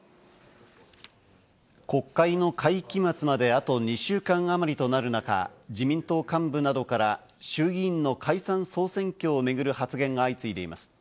国会の会期末まであと２週間あまりとなる中、自民党幹部などから衆議院の解散・総選挙を巡る発言が相次いでいます。